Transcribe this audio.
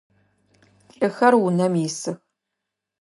Лӏыхэр унэм исых.